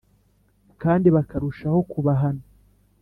Kandi bakarushaho kubahana